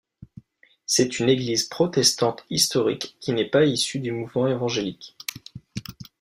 C'est une église protestante historique qui n'est pas issue du mouvement évangélique.